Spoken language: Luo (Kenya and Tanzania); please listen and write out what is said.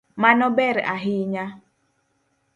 Mano ber ahinya